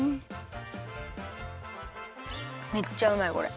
めっちゃうまいこれ。